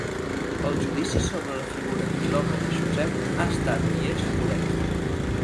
El judici sobre la figura i l'obra de Josep ha estat i és polèmic.